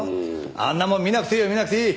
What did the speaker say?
あんなもん見なくていいよ見なくていい！